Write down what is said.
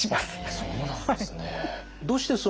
そうなんですね。